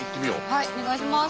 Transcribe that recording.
はいお願いします。